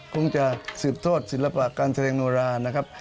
คงจะสืบทอดศิลปะการแสดงโนรานะครับ